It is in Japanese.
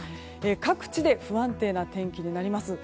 各地で不安定な天気になります。